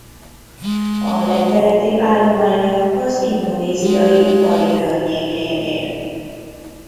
A legkeletibb állománya az indonéziai Bali környékén él.